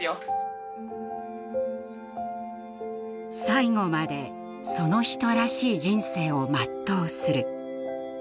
最期までその人らしい人生を全うする。